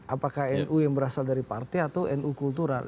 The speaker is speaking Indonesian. apakah nu yang berasal dari partai atau nu kultural